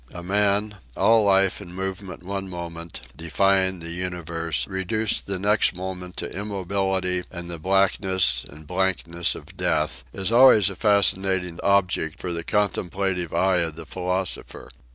A man, all life and movement one moment, defying the universe, reduced the next moment to immobility and the blackness and blankness of death, is always a fascinating object for the contemplative eye of the philosopher.